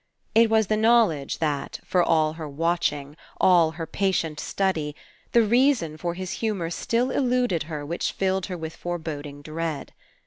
It was the knowledge that, for all her watching, all her patient study, the reason for his humour still eluded her which filled her with foreboding dread.